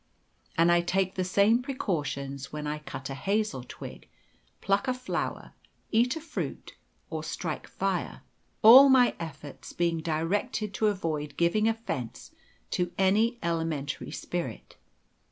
And I take the same precautions when I cut a hazel twig, pluck a flower, eat a fruit, or strike fire, all my efforts being directed to avoid giving offence to any elementary spirit.